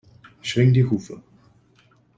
Schwing die Hufe!